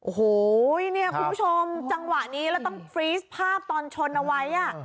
โอ้โหเนี่ยคุณผู้ชมจังหวะนี้แล้วต้องฟรีสภาพตอนชนเอาไว้